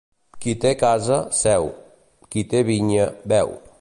Qui té casa, seu; qui té vinya, beu.